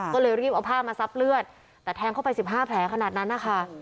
ก็เลยรีบเอาผ้ามาซับเลือดแต่แทงเข้าไป๑๕แผลขนาดนั้นนะคะ